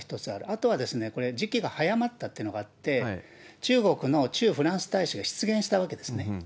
あとは、これ、時期が早まったというのがあって、中国の駐フランス大使が失言したわけですね。